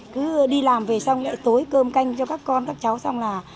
cứ đi làm về xong lại tối cơm canh cho các con các cháu xong là